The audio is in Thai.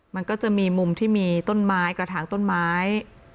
มันก็จะมีมุมที่มีต้นไม้กระถางต้นไม้